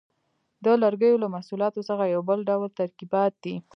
د لرګیو له محصولاتو څخه یو بل ډول ترکیبات دي.